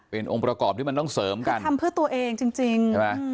เป็นองค์ประกอบที่มันต้องเสริมกันคือทำเพื่อตัวเองจริง